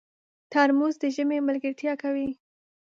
ترموز د ژمي ملګرتیا کوي.